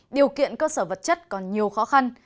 điều kiện cơ sở vật chất còn nhiều khó khăn